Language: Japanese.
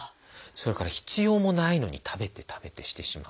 それから必要もないのに食べて食べてしてしまうとか。